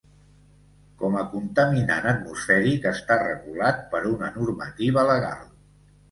Com a contaminant atmosfèric està regulat per una normativa legal.